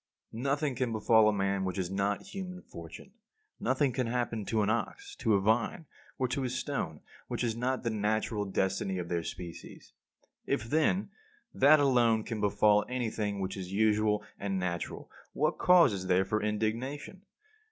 46. Nothing can befall a man which is not human fortune. Nothing can happen to an ox, to a vine, or to a stone which is not the natural destiny of their species. If, then, that alone can befall anything which is usual and natural, what cause is there for indignation?